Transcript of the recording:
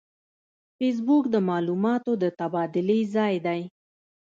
فېسبوک د معلوماتو د تبادلې ځای دی